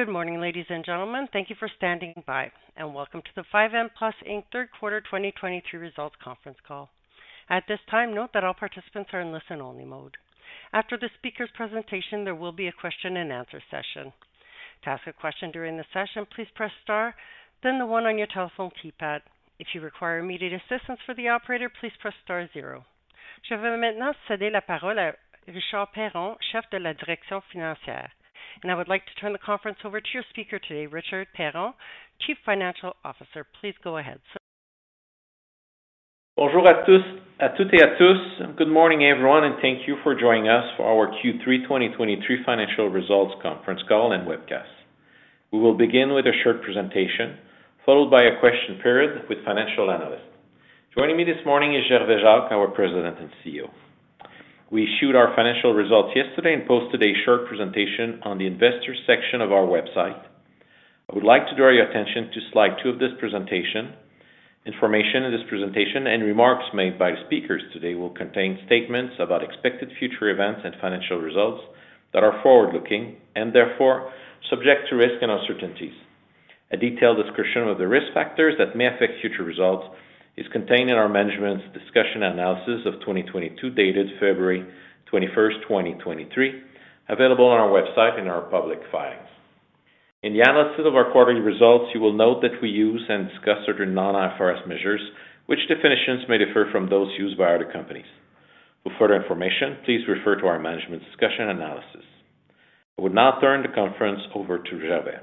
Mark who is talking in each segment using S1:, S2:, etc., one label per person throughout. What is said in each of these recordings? S1: Good morning, ladies and gentlemen. Thank you for standing by, and welcome to the 5N Plus Inc. Third Quarter 2023 Results Conference Call. At this time, note that all participants are in listen-only mode. After the speaker's presentation, there will be a question and answer session. To ask a question during the session, please press star, then the one on your telephone keypad. If you require immediate assistance from the operator, please press star zero. Je vais maintenant céder la parole à Richard Perron, chef de la direction financière. I would like to turn the conference over to your speaker today, Richard Perron, Chief Financial Officer. Please go ahead.
S2: Bonjour à tous, à toutes et à tous. Good morning, everyone, and thank you for joining us for our Q3 2023 financial results conference call and webcast. We will begin with a short presentation, followed by a question period with financial analysts. Joining me this morning is Gervais Jacques, our President and CEO. We issued our financial results yesterday and posted a short presentation on the Investors section of our website. I would like to draw your attention to slide 2 of this presentation. Information in this presentation and remarks made by speakers today will contain statements about expected future events and financial results that are forward-looking and therefore subject to risks and uncertainties. A detailed description of the risk factors that may affect future results is contained in our Management's Discussion and Analysis of 2022, dated February 21, 2023, available on our website in our public filings. In the analysis of our quarterly results, you will note that we use and discuss certain non-IFRS measures, which definitions may differ from those used by other companies. For further information, please refer to our Management's Discussion and Analysis. I would now turn the conference over to Gervais.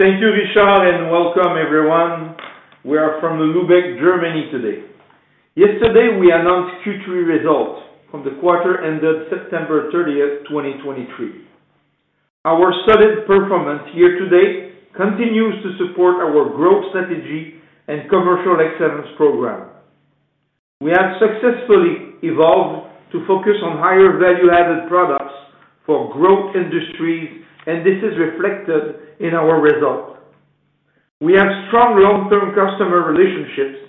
S3: Thank you, Richard, and welcome everyone. We are from Lübeck, Germany today. Yesterday, we announced Q3 results from the quarter ended September 30, 2023. Our solid performance year-to-date continues to support our growth strategy and Commercial Excellence program. We have successfully evolved to focus on higher value-added products for growth industries, and this is reflected in our results. We have strong long-term customer relationships,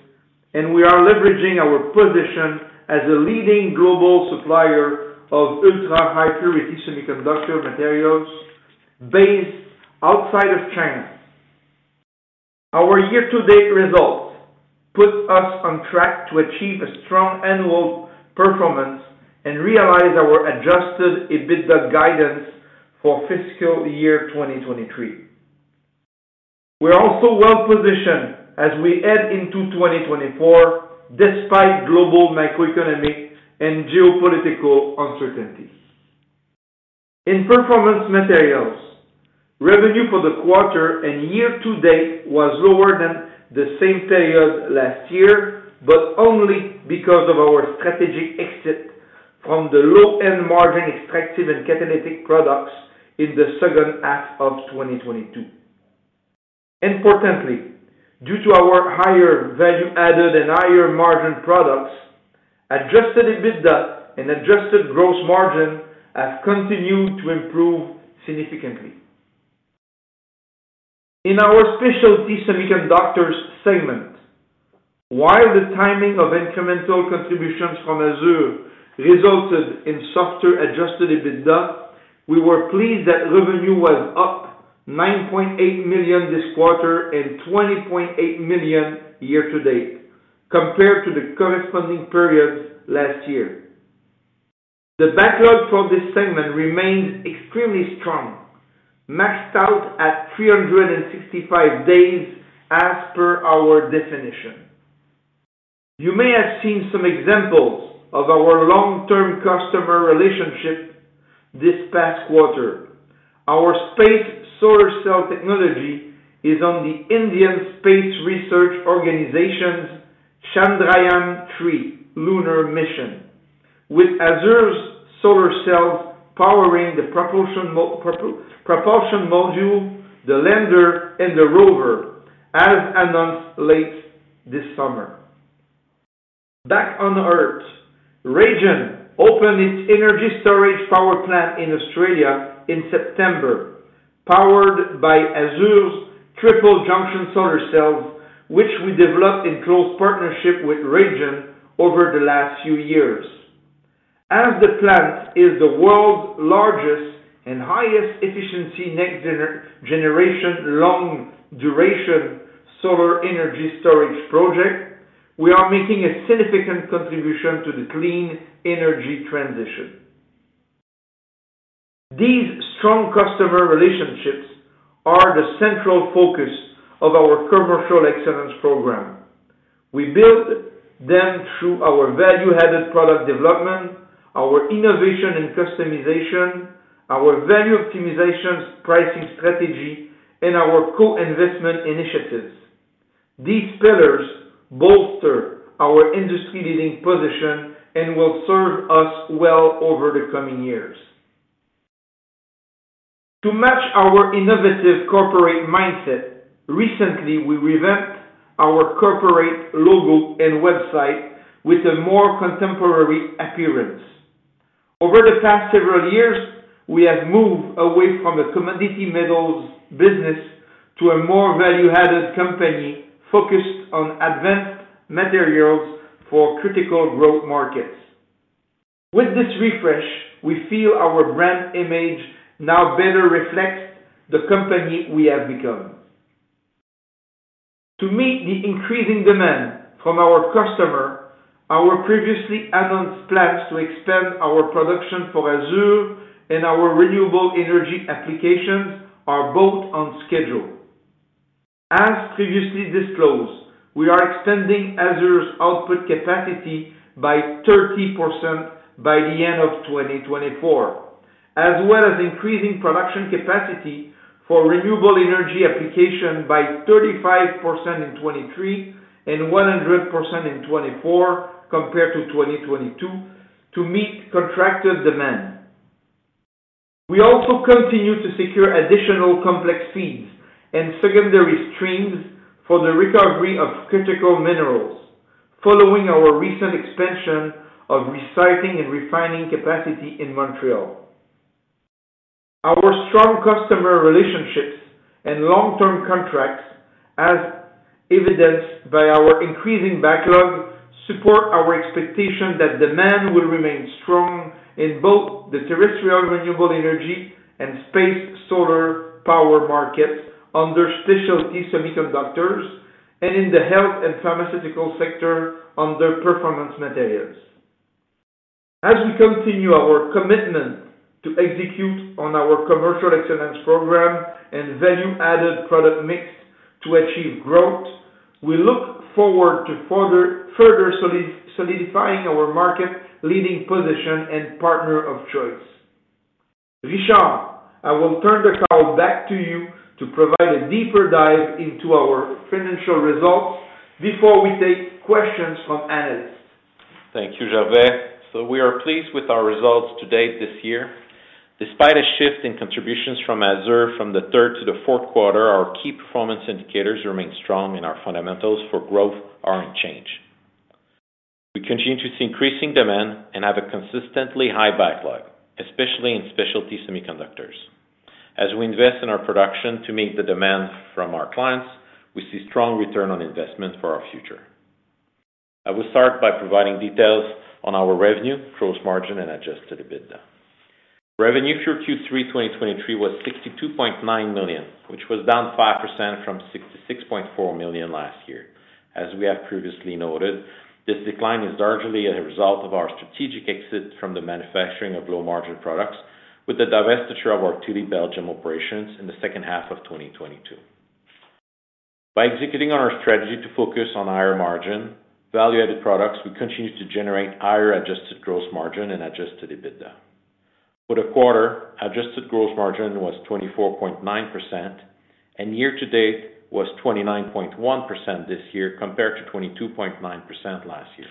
S3: and we are leveraging our position as a leading global supplier of ultra-high purity semiconductor materials based outside of China. Our year-to-date results put us on track to achieve a strong annual performance and realize our Adjusted EBITDA guidance for fiscal year 2023. We are also well positioned as we head into 2024, despite global macroeconomic and geopolitical uncertainties. In Performance Materials, revenue for the quarter and year-to-date was lower than the same period last year, but only because of our strategic exit from the low-end margin extractive and catalytic products in the second half of 2022. Importantly, due to our higher value-added and higher-margin products, adjusted EBITDA and Adjusted Gross Margin have continued to improve significantly. In our Specialty Semiconductors segment, while the timing of incremental contributions from AZUR resulted in softer adjusted EBITDA, we were pleased that revenue was up $9.8 million this quarter and $20.8 million year-to-date compared to the corresponding periods last year. The backlog for this segment remains extremely strong, maxed out at 365 days as per our definition. You may have seen some examples of our long-term customer relationship this past quarter. Our space solar cell technology is on the Indian Space Research Organisation's Chandrayaan-3 lunar mission, with AZUR's solar cells powering the propulsion module, the lander, and the rover, as announced late this summer. Back on Earth, RayGen opened its energy storage power plant in Australia in September, powered by AZUR's triple-junction solar cells, which we developed in close partnership with RayGen over the last few years. As the plant is the world's largest and highest efficiency next generation, long-duration solar energy storage project, we are making a significant contribution to the clean energy transition. These strong customer relationships are the central focus of our Commercial Excellence program. We build them through our value-added product development, our innovation and customization, our value optimizations pricing strategy, and our co-investment initiatives. These pillars bolster our industry leading position and will serve us well over the coming years. To match our innovative corporate mindset, recently, we revamped our corporate logo and website with a more contemporary appearance. Over the past several years, we have moved away from a commodity metals business to a more value-added company focused on advanced materials for critical growth markets. With this refresh, we feel our brand image now better reflects the company we have become. To meet the increasing demand from our customer, our previously announced plans to expand our production for AZUR and our renewable energy applications are both on schedule. As previously disclosed, we are extending AZUR's output capacity by 30% by the end of 2024, as well as increasing production capacity for renewable energy application by 35% in 2023, and 100% in 2024, compared to 2022, to meet contracted demand. We also continue to secure additional complex feeds and secondary streams for the recovery of critical minerals, following our recent expansion of recycling and refining capacity in Montréal. Our strong customer relationships and long-term contracts, as evidenced by our increasing backlog, support our expectation that demand will remain strong in both the terrestrial renewable energy and space solar power markets, under Specialty Semiconductors, and in the health and pharmaceutical sector under Performance Materials. As we continue our commitment to execute on our Commercial Excellence program and value-added product mix to achieve growth, we look forward to further solidifying our market-leading position and partner of choice. Richard, I will turn the call back to you to provide a deeper dive into our financial results before we take questions from analysts.
S2: Thank you, Gervais. So we are pleased with our results to date this year. Despite a shift in contributions from AZUR from the third to the fourth quarter, our key performance indicators remain strong, and our fundamentals for growth are unchanged. We continue to see increasing demand and have a consistently high backlog, especially in specialty semiconductors. As we invest in our production to meet the demand from our clients, we see strong return on investment for our future. I will start by providing details on our revenue, gross margin, and Adjusted EBITDA. Revenue for Q3 2023 was $62.9 million, which was down 5% from $66.4 million last year. As we have previously noted, this decline is largely a result of our strategic exit from the manufacturing of low-margin products, with the divestiture of our Tilly, Belgium operations in the second half of 2022. By executing on our strategy to focus on higher margin, value-added products, we continue to generate higher Adjusted Gross Margin and adjusted EBITDA. For the quarter, Adjusted Gross Margin was 24.9%, and year-to-date was 29.1% this year, compared to 22.9% last year.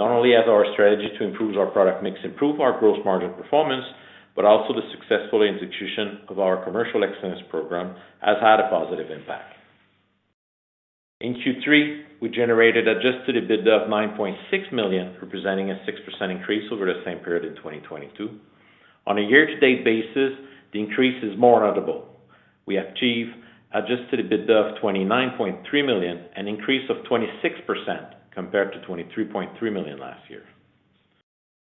S2: Not only has our strategy to improve our product mix improved our gross margin performance, but also the successful execution of our Commercial Excellence program has had a positive impact. In Q3, we generated adjusted EBITDA of $9.6 million, representing a 6% increase over the same period in 2022. On a year-to-date basis, the increase is more notable. We achieved adjusted EBITDA of $29.3 million, an increase of 26% compared to $23.3 million last year.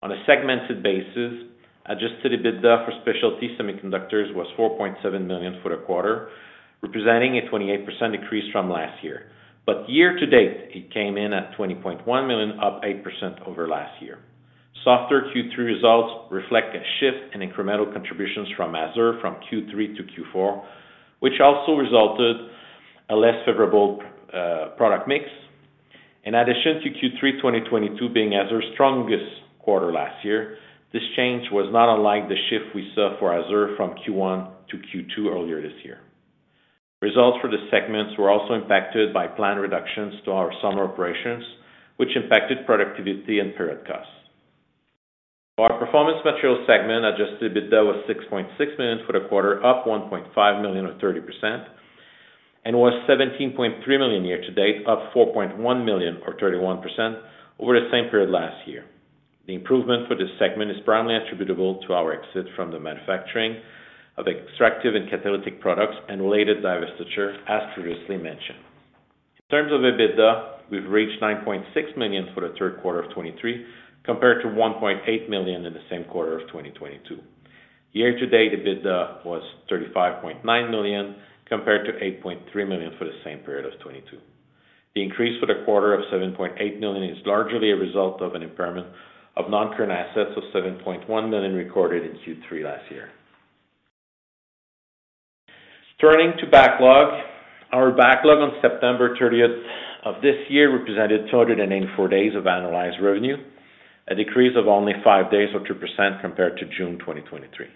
S2: On a segmented basis, Adjusted EBITDA for Specialty Semiconductors was $4.7 million for the quarter, representing a 28% decrease from last year. But year to date, it came in at $20.1 million, up 8% over last year. Softer Q3 results reflect a shift in incremental contributions from AZUR from Q3 to Q4, which also resulted a less favorable, product mix. In addition to Q3 2022 being AZUR's strongest quarter last year, this change was not unlike the shift we saw for AZUR from Q1 to Q2 earlier this year. Results for the segments were also impacted by planned reductions to our summer operations, which impacted productivity and period costs. For our Performance Materials segment, Adjusted EBITDA was $6.6 million for the quarter, up $1.5 million or 30%, and was $17.3 million year to date, up $4.1 million or 31% over the same period last year. The improvement for this segment is primarily attributable to our exit from the manufacturing of extractive and catalytic products and related divestiture, as previously mentioned. In terms of EBITDA, we've reached $9.6 million for the third quarter of 2023, compared to $1.8 million in the same quarter of 2022. Year to date, EBITDA was $35.9 million, compared to $8.3 million for the same period of 2022. The increase for the quarter of $7.8 million is largely a result of an impairment of non-current assets of $7.1 million recorded in Q3 last year. Turning to backlog. Our backlog on September 30 of this year represented 284 days of annualized revenue, a decrease of only 5 days or 2% compared to June 2023.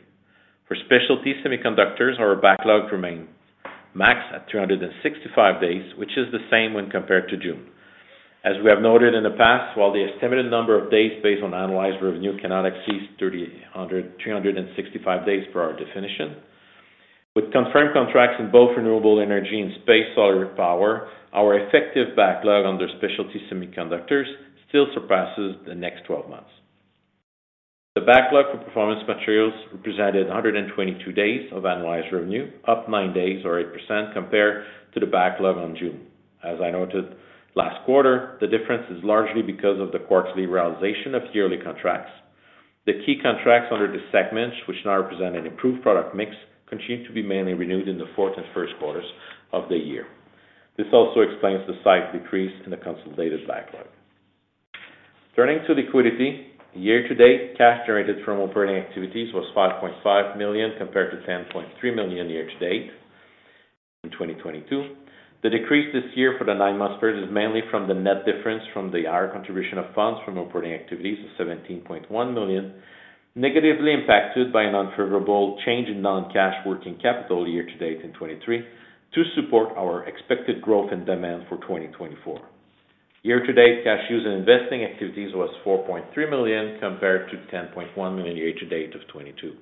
S2: For Specialty Semiconductors, our backlog remained max at 365 days, which is the same when compared to June. As we have noted in the past, while the estimated number of days based on annualized revenue cannot exceed 300, 365 days per our definition, with confirmed contracts in both renewable energy and space solar power, our effective backlog under Specialty Semiconductors still surpasses the next 12 months. The backlog for Performance Materials represented 122 days of annualized revenue, up 9 days or 8% compared to the backlog on June. As I noted last quarter, the difference is largely because of the quarterly realization of yearly contracts. The key contracts under the segments, which now represent an improved product mix, continue to be mainly renewed in the fourth and first quarters of the year. This also explains the slight decrease in the consolidated backlog. Turning to liquidity, year-to-date, cash generated from operating activities was $5.5 million, compared to $10.3 million year-to-date in 2022. The decrease this year for the nine months is mainly from the net difference from the higher contribution of funds from operating activities of $17.1 million, negatively impacted by an unfavorable change in non-cash working capital year to date in 2023, to support our expected growth and demand for 2024. Year to date, cash used in investing activities was $4.3 million, compared to $10.1 million year to date of 2022.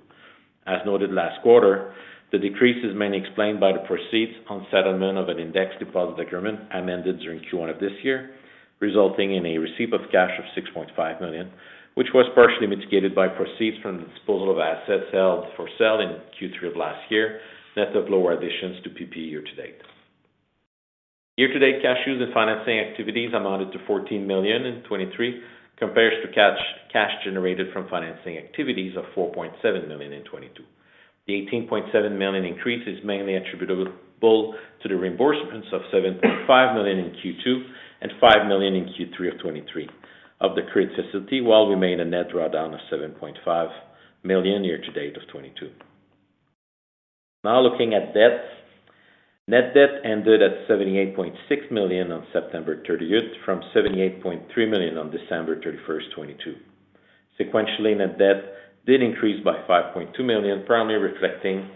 S2: As noted last quarter, the decrease is mainly explained by the proceeds on settlement of an index deposit agreement amended during Q1 of this year, resulting in a receipt of cash of $6.5 million, which was partially mitigated by proceeds from the disposal of assets held for sale in Q3 of last year, net of lower additions to PPE year to date. Year to date, cash used in financing activities amounted to $14 million in 2023, compares to cash generated from financing activities of $4.7 million in 2022. The $18.7 million increase is mainly attributable to the reimbursements of $7.5 million in Q2, and $5 million in Q3 of 2023 of the credit facility, while we made a net drawdown of $7.5 million year to date of 2022. Now looking at debts. Net debt ended at $78.6 million on September 30, from $78.3 million on December 31, 2022. Sequentially, net debt did increase by $5.2 million, primarily reflecting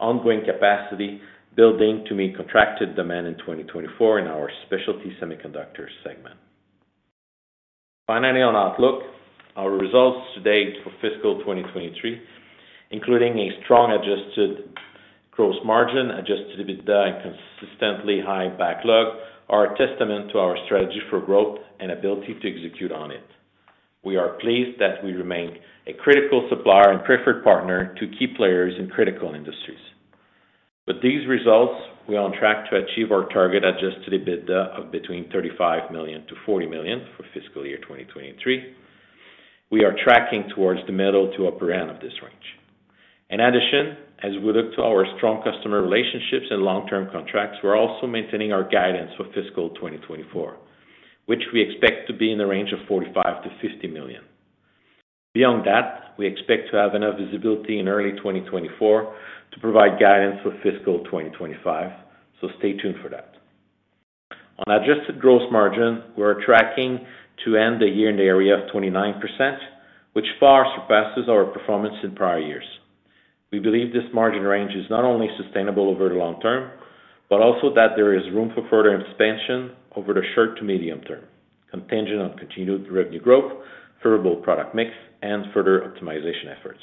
S2: ongoing capacity building to meet contracted demand in 2024 in our Specialty Semiconductors segment. Finally, on outlook, our results to date for fiscal 2023, including a strong Adjusted Gross Margin, Adjusted EBITDA, and consistently high backlog, are a testament to our strategy for growth and ability to execute on it. We are pleased that we remain a critical supplier and preferred partner to key players in critical industries. With these results, we are on track to achieve our target Adjusted EBITDA of between $35 million-$40 million for fiscal year 2023. We are tracking towards the middle to upper end of this range. In addition, as we look to our strong customer relationships and long-term contracts, we're also maintaining our guidance for fiscal 2024, which we expect to be in the range of $45 million-$50 million. Beyond that, we expect to have enough visibility in early 2024 to provide guidance for fiscal 2025, so stay tuned for that. On Adjusted Gross Margin, we are tracking to end the year in the area of 29%, which far surpasses our performance in prior years. We believe this margin range is not only sustainable over the long term, but also that there is room for further expansion over the short to medium term, contingent on continued revenue growth, favorable product mix, and further optimization efforts.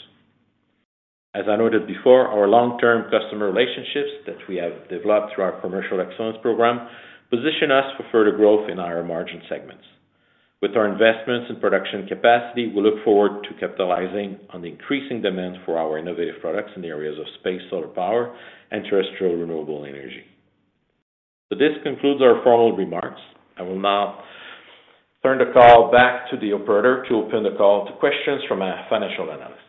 S2: As I noted before, our long-term customer relationships that we have developed through our Commercial Excellence program, position us for further growth in our margin segments. With our investments in production capacity, we look forward to capitalizing on the increasing demand for our innovative products in the areas of space, solar power, and terrestrial renewable energy. This concludes our formal remarks. I will now turn the call back to the operator to open the call to questions from our financial analysts.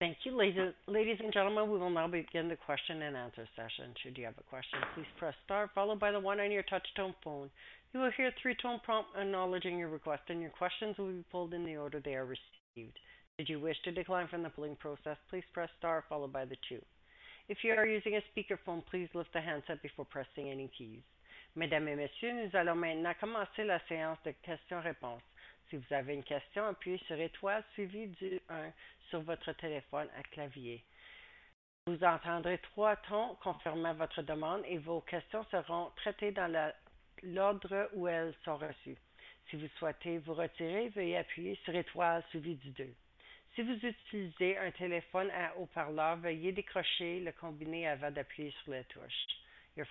S1: Thank you. Ladies, ladies and gentlemen, we will now begin the question and answer session. Should you have a question, please press star followed by the one on your touch-tone phone. You will hear three-tone prompt acknowledging your request, and your questions will be pulled in the order they are received. Did you wish to decline from the polling process, please press star followed by the two. If you are using a speakerphone, please lift the handset before pressing any keys. Your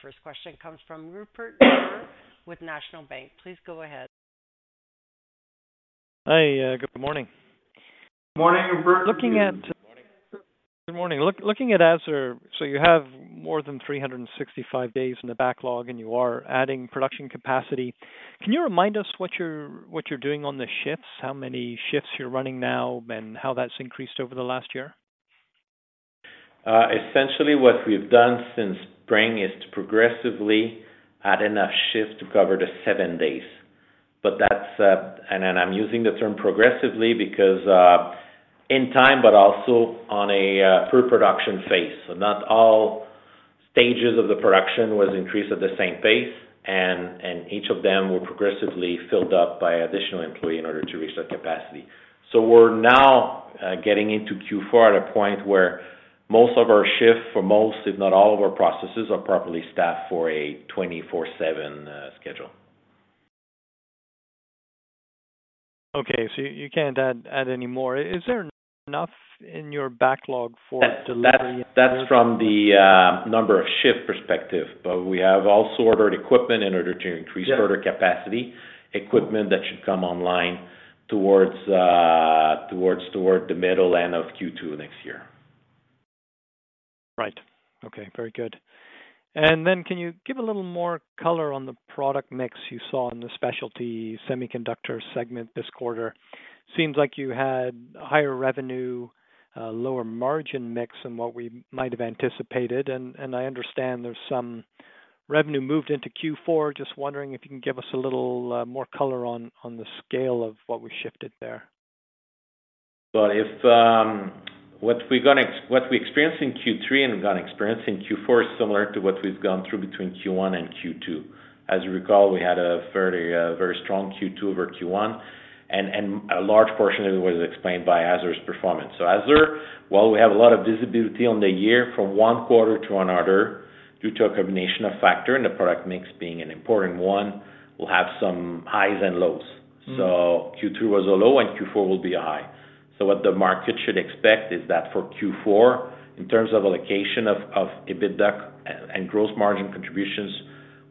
S1: first question comes from Rupert Merer with National Bank. Please go ahead.
S4: Hi, good morning.
S2: Morning, Rupert.
S4: Good morning. Looking at AZUR, so you have more than 365 days in the backlog, and you are adding production capacity. Can you remind us what you're doing on the shifts, how many shifts you're running now, and how that's increased over the last year?
S2: Essentially, what we've done since spring is to progressively add enough shifts to cover the seven days. But that's, and then I'm using the term progressively because, in time, but also on a, per production phase. So not all stages of the production was increased at the same pace, and, and each of them were progressively filled up by additional employee in order to reach that capacity. So we're now, getting into Q4 at a point where most of our shifts, for most, if not all of our processes, are properly staffed for a 24/7 schedule.
S4: Okay, so you can't add any more. Is there enough in your backlog for delivery?
S2: That's from the number of shift perspective, but we have also ordered equipment in order to increase further capacity, equipment that should come online towards the middle end of Q2 next year.
S4: Right. Okay, very good. And then can you give a little more color on the product mix you saw in the Specialty Semiconductors segment this quarter? Seems like you had higher revenue, lower margin mix than what we might have anticipated, and I understand there's some revenue moved into Q4. Just wondering if you can give us a little more color on the scale of what we shifted there.
S2: Well, if what we experienced in Q3 and we're gonna experience in Q4, is similar to what we've gone through between Q1 and Q2. As you recall, we had a fairly very strong Q2 over Q1, and a large portion of it was explained by AZUR's performance. So AZUR, while we have a lot of visibility on the year from one quarter to another, due to a combination of factor and the product mix being an important one, we'll have some highs and lows.
S4: Mm.
S2: So Q2 was a low, and Q4 will be a high. So what the market should expect is that for Q4, in terms of allocation of EBITDA and gross margin contributions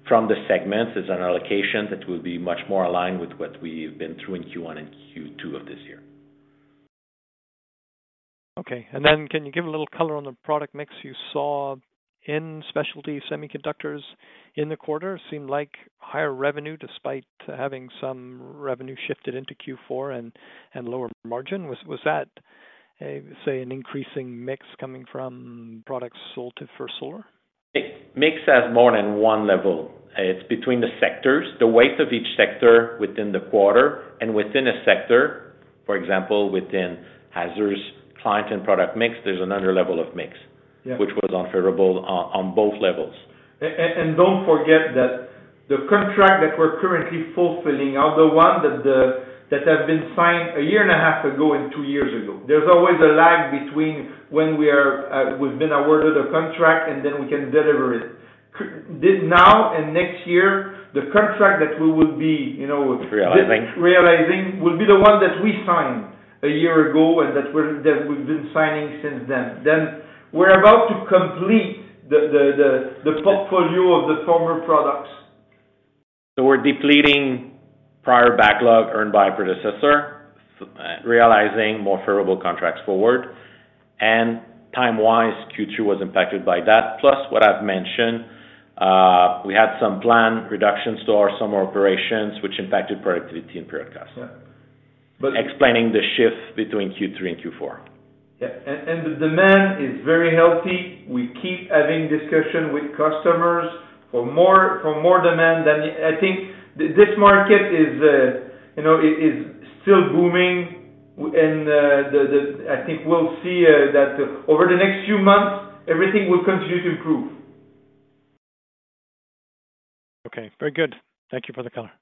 S2: from the segments, is an allocation that will be much more aligned with what we've been through in Q1 and Q2 of this year.
S4: Okay, and then can you give a little color on the product mix you saw in Specialty Semiconductors in the quarter? Seemed like higher revenue, despite having some revenue shifted into Q4 and lower margin. Was that, say, an increasing mix coming from products sold to First Solar?
S2: Mix has more than one level. It's between the sectors, the weight of each sector within the quarter, and within a sector. For example, within AZUR's client and product mix, there's another level of mix.
S4: Yeah.
S2: -which was unfavorable on both levels.
S3: And don't forget that the contract that we're currently fulfilling are the one that have been signed a year and a half ago and two years ago. There's always a lag between when we've been awarded a contract, and then we can deliver it. This now and next year, the contract that we will be, you know-
S2: Realizing.
S3: realizing, will be the one that we signed a year ago and that we've been signing since then. Then, we're about to complete the portfolio of the former products.
S2: So we're depleting prior backlog earned by a predecessor, realizing more favorable contracts forward, and time-wise, Q2 was impacted by that. Plus, what I've mentioned, we had some planned reductions to our summer operations, which impacted productivity and period cost.
S3: Yeah.
S2: Explaining the shift between Q3 and Q4.
S3: Yeah, and the demand is very healthy. We keep having discussion with customers for more, for more demand than... I think, this market is, you know, is, is still booming, and, the, the, I think we'll see, that over the next few months, everything will continue to improve.
S4: Okay, very good. Thank you for the color.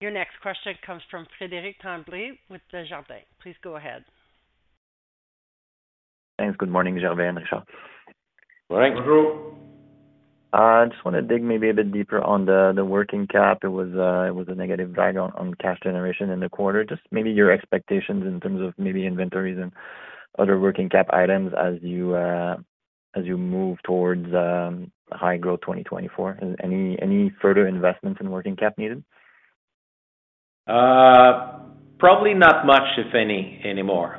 S1: Your next question comes from Frédéric Tremblay with Desjardins. Please go ahead.
S5: Thanks. Good morning, Gervais and Richard.
S2: Good morning.
S3: Good morning.
S5: I just want to dig maybe a bit deeper on the working cap. It was a negative drag on cash generation in the quarter. Just maybe your expectations in terms of maybe inventories and other working cap items as you move towards high growth 2024. Is any further investment in working cap needed?
S2: Probably not much, if any, anymore.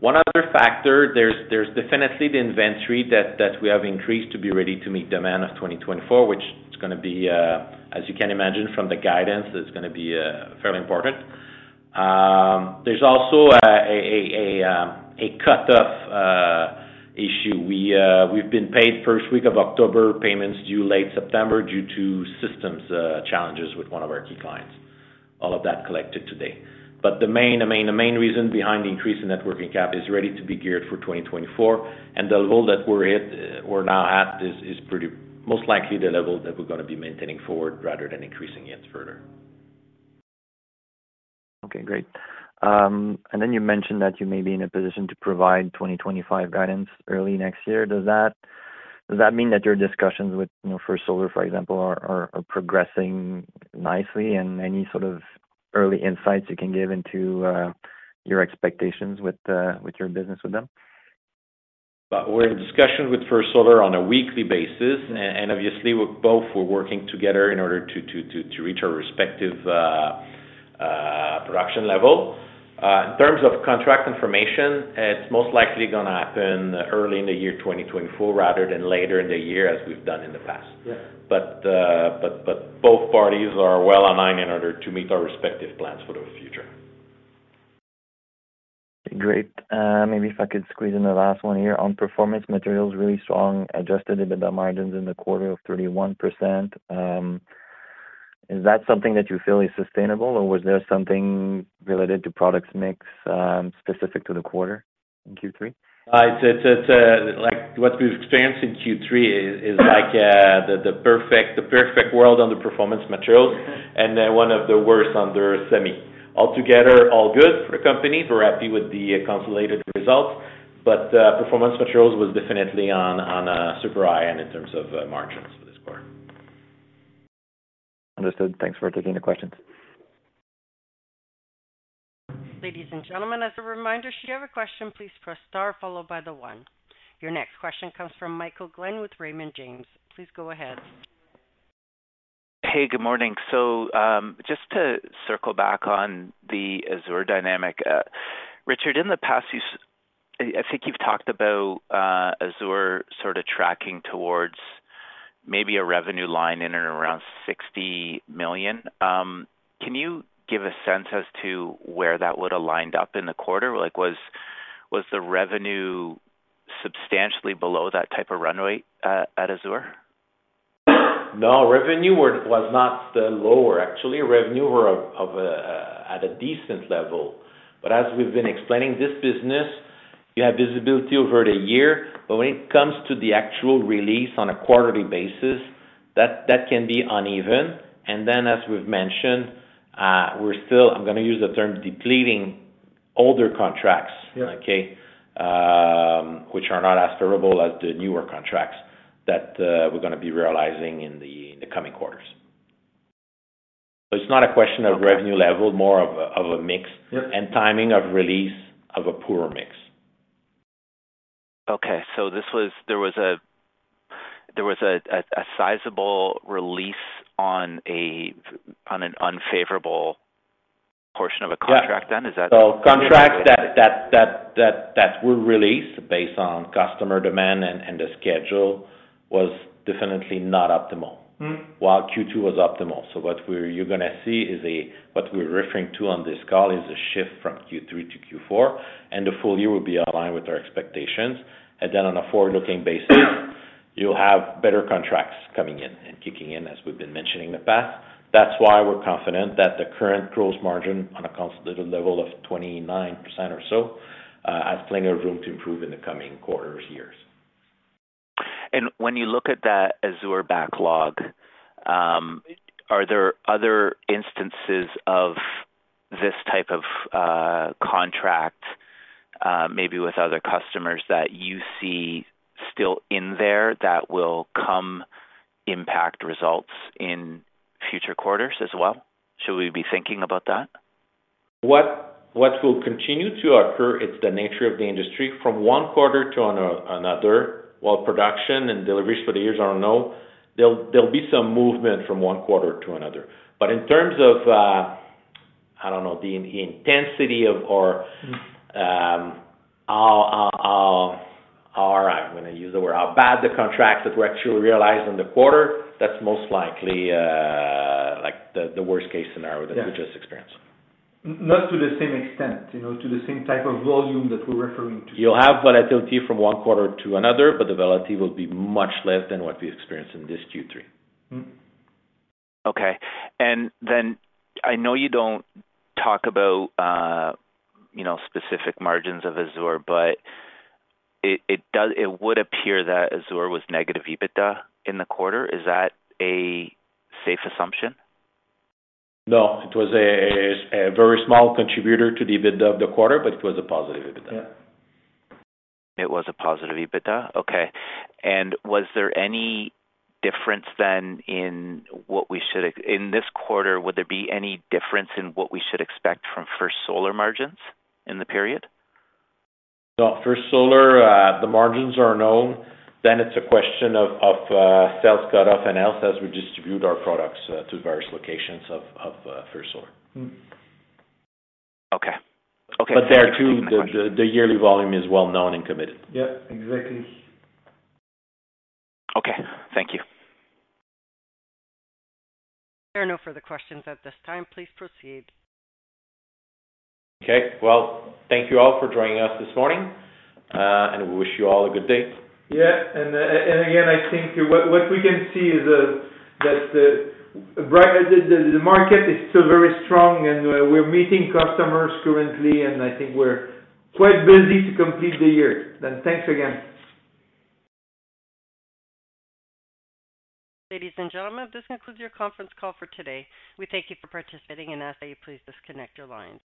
S2: One other factor, there's definitely the inventory that we have increased to be ready to meet demand of 2024, which is gonna be, as you can imagine from the guidance, is gonna be fairly important. There's also a cut-off issue. We've been paid first week of October, payments due late September, due to systems challenges with one of our key clients. All of that collected today. But the main reason behind the increase in net working capital is ready to be geared for 2024, and the level that we're at is pretty most likely the level that we're gonna be maintaining forward rather than increasing it further.
S5: Okay, great. And then you mentioned that you may be in a position to provide 2025 guidance early next year. Does that, does that mean that your discussions with, you know, First Solar, for example, are progressing nicely? And any sort of early insights you can give into, your expectations with, with your business with them?
S2: But we're in discussions with First Solar on a weekly basis, and obviously, we're both working together in order to reach our respective production level. In terms of contract information, it's most likely gonna happen early in the year 2024, rather than later in the year, as we've done in the past.
S3: Yeah.
S2: Both parties are well aligned in order to meet our respective plans for the future.
S5: Great. Maybe if I could squeeze in the last one here. On Performance Materials is really strong, Adjusted EBITDA margins in the quarter of 31%, is that something that you feel is sustainable, or was there something related to product mix, specific to the quarter in Q3?
S2: It's like what we've experienced in Q3 is like the perfect world on the Performance Materials, and then one of the worst on the semi. Altogether, all good for companies. We're happy with the consolidated results, but Performance Materials was definitely on a super high end in terms of margins for this quarter. ...
S5: Understood. Thanks for taking the questions.
S1: Ladies and gentlemen, as a reminder, should you have a question, please press star followed by the one. Your next question comes from Michael Glen with Raymond James. Please go ahead.
S6: Hey, good morning. Just to circle back on the AZUR dynamic. Richard, in the past, I think you've talked about AZUR sort of tracking towards maybe a revenue line in and around $60 million. Can you give a sense as to where that would have lined up in the quarter? Like, was the revenue substantially below that type of runway at AZUR?
S2: No, revenue was not lower. Actually, revenue was at a decent level. But as we've been explaining this business, you have visibility over the year, but when it comes to the actual release on a quarterly basis, that can be uneven. And then, as we've mentioned, we're still, I'm gonna use the term, depleting older contracts.
S3: Yeah.
S2: Okay, which are not as durable as the newer contracts that we're gonna be realizing in the coming quarters. So it's not a question of revenue level, more of a mix-
S3: Yep.
S2: - and timing of release of a poorer mix.
S6: Okay. So this was, there was a sizable release on an unfavorable portion of a contract-
S2: Yeah.
S6: Is that-
S2: Contracts that were released based on customer demand and the schedule was definitely not optimal.
S3: Mm.
S2: While Q2 was optimal. So what you're gonna see, what we're referring to on this call, is a shift from Q3 to Q4, and the full year will be aligned with our expectations. Then on a forward-looking basis, you'll have better contracts coming in and kicking in, as we've been mentioning in the past. That's why we're confident that the current gross margin on a consolidated level of 29% or so has plenty of room to improve in the coming quarters, years.
S6: When you look at that AZUR backlog, are there other instances of this type of contract, maybe with other customers, that you see still in there that will come impact results in future quarters as well? Should we be thinking about that?
S2: What will continue to occur, it's the nature of the industry. From one quarter to another, while production and deliveries for the years are known, there'll be some movement from one quarter to another. But in terms of, I don't know, the intensity of or... or I'm gonna use the word, how bad the contracts that we actually realized in the quarter, that's most likely like the worst case scenario-
S3: Yeah.
S2: that we just experienced.
S3: Not to the same extent, you know, to the same type of volume that we're referring to.
S2: You'll have volatility from one quarter to another, but the volatility will be much less than what we experienced in this Q3.
S3: Mm.
S6: Okay. And then I know you don't talk about, you know, specific margins of AZUR, but it does. It would appear that AZUR was negative EBITDA in the quarter. Is that a safe assumption?
S2: No, it was a very small contributor to the EBITDA of the quarter, but it was a positive EBITDA.
S3: Yeah.
S6: It was a positive EBITDA? Okay. And was there any difference then in what we should expect? In this quarter, would there be any difference in what we should expect from First Solar margins in the period?
S2: No. First Solar, the margins are known. Then it's a question of sales cut-off and else as we distribute our products to various locations of First Solar.
S6: Okay. Okay.
S2: There, too, the yearly volume is well known and committed.
S3: Yeah, exactly.
S6: Okay. Thank you.
S1: There are no further questions at this time. Please proceed.
S2: Okay. Well, thank you all for joining us this morning, and we wish you all a good day.
S3: Yeah, and again, I think what we can see is that the market is still very strong and we're meeting customers currently, and I think we're quite busy to complete the year. And thanks again.
S1: Ladies and gentlemen, this concludes your conference call for today. We thank you for participating and ask that you please disconnect your lines.